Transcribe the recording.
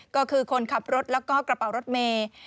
ก็คือคนขับรถแล้วก็กระเป๋ารถเมย์